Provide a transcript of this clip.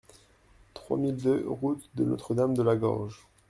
trois mille deux route de Notre-Dame de la Gorge